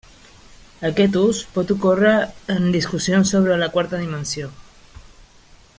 Aquest ús pot ocórrer en discussions sobre la quarta dimensió.